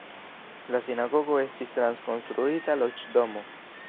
La sinagogo estis trakonstruita loĝdomo.